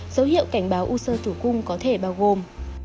dấu hiệu cảnh báo u sơ tử cung có thể bao gồm